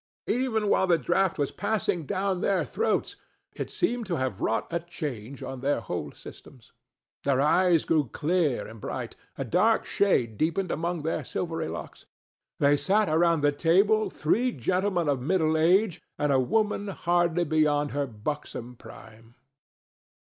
Even while the draught was passing down their throats it seemed to have wrought a change on their whole systems. Their eyes grew clear and bright; a dark shade deepened among their silvery locks: they sat around the table three gentlemen of middle age and a woman hardly beyond her buxom prime.